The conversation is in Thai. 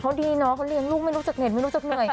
เขาดีเนาะเขาเลี้ยงลูกไม่รู้จักเหนื่อยไม่รู้จักเหนื่อย